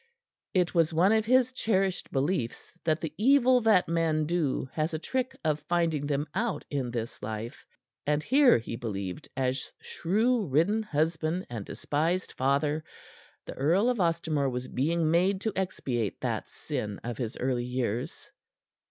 It was one of his cherished beliefs that the evil that men do has a trick of finding them out in this life, and here, he believed, as shrew ridden husband and despised father, the Earl of Ostermore was being made to expiate that sin of his early years.